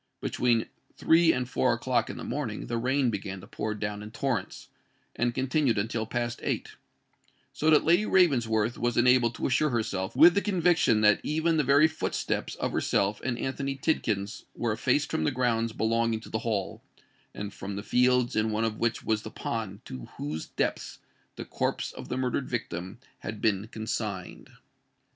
Between three and four o'clock in the morning the rain began to pour down in torrents, and continued until past eight,—so that Lady Ravensworth was enabled to assure herself with the conviction that even the very footsteps of herself and Anthony Tidkins were effaced from the grounds belonging to the Hall, and from the fields in one of which was the pond to whose depths the corpse of the murdered victim had been consigned.